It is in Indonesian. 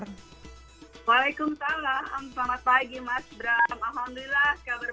waalaikumsalam selamat pagi mas bram alhamdulillah kabar baik apa kabar mas bram